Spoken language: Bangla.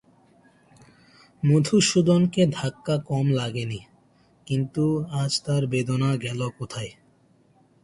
মধুসূদনকে ধাক্কা কম লাগে নি, কিন্তু আজ তার বেদনা গেল কোথায়?